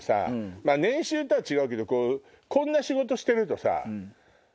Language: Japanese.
まぁ年収とは違うけどこんな仕事してるとさ